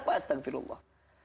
karena kita berhati hati dengan allah